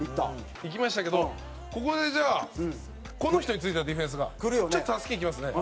いきましたけど、ここで、じゃあこの人についてたディフェンスがちょっと助けにいきますね。